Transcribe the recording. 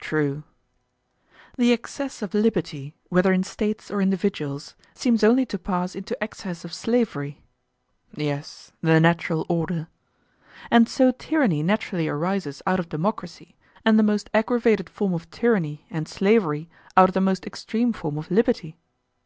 True. The excess of liberty, whether in States or individuals, seems only to pass into excess of slavery. Yes, the natural order. And so tyranny naturally arises out of democracy, and the most aggravated form of tyranny and slavery out of the most extreme form of liberty?